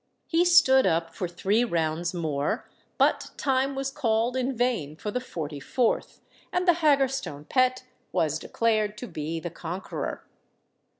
He stood up for three rounds more; but time was called in vain for the forty fourth—and the Haggerstone Pet was declared to be the conqueror.